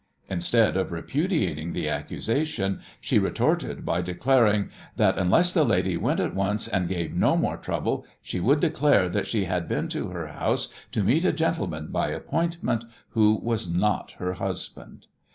Instead of repudiating the accusation, she retorted by declaring that unless the lady went at once and gave no more trouble she would declare that she had been to her house to meet a gentleman by appointment who was not her husband.